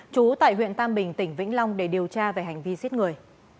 trú tại huyện tam bình tỉnh vĩnh long để điều tra về hành vi giết người